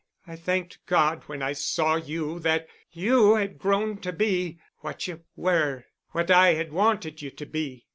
I thanked God when I saw you that you had grown to be—what you were, what I had wanted you to be.